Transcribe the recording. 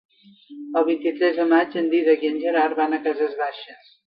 El vint-i-tres de maig en Dídac i en Gerard van a Cases Baixes.